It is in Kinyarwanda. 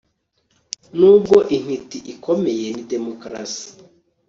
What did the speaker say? Nubwo intiti ikomeye ni demokarasi